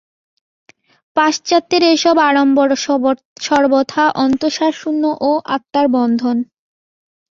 পাশ্চাত্যের এ-সব আড়ম্বর সর্বথা অন্তঃসারশূন্য ও আত্মার বন্ধন।